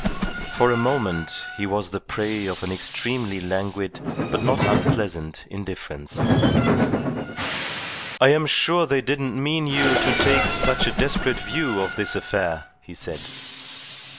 For a moment he was the prey of an extremely languid but not unpleasant indifference. "I am sure they didn't mean you to take such a desperate view of this affair," he said.